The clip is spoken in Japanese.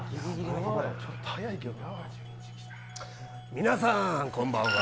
皆さん、こんばんは。